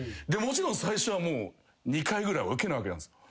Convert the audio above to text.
もちろん最初は２回ぐらいウケないわけなんです。